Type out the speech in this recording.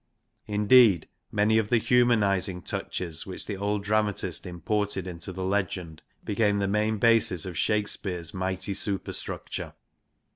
INTRODUCTION xxxix humanising touches, which the old dramatist imported into the legend, become main bases of Shakespeare's mighty superstructure.